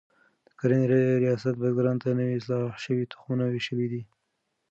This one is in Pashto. د کرنې ریاست بزګرانو ته نوي اصلاح شوي تخمونه ویشلي دي.